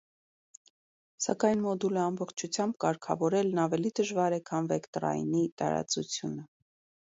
Սակայն մոդուլը ամբողջությամբ կարգավորելն ավելի դժվար է, քան վեկտորայնի տարածությունը։